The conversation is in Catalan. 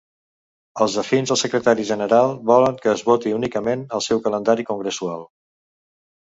Els afins al secretari general volen que es voti únicament el seu calendari congressual.